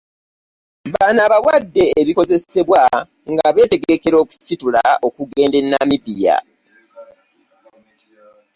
Bano abawadde ebikozesebwa nga beetegekera okusitula okugenda e Namibia